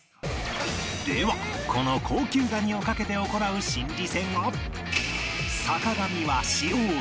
ではこの高級蟹をかけて行う心理戦は